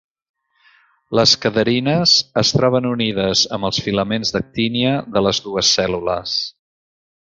Les cadherines es troben unides amb els filaments d'actina de les dues cèl·lules.